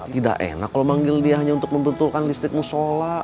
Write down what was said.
tidak enak kalau manggil dia hanya untuk membenturkan listrik musola